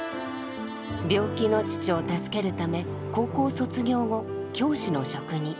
病気の父を助けるため高校卒業後教師の職に。